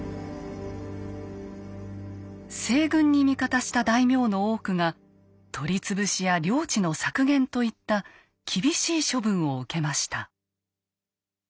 西軍に味方した大名の多くが取り潰しや領地の削減といった厳しい処分を受けました。